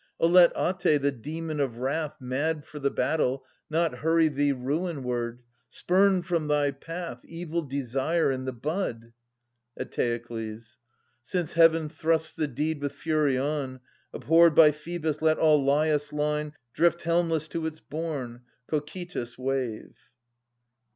Oh let At6, the demon of wrath Mad for the battle, not hurry thee ruinward ! Spurn from thy path Evil desire in the bud ! Eteokles. Since Heaven thrusts the deed with fury on, Abhorred by Phoebus let all Laius' line 690 .Drift helmless to its bourne, Cocytus* wave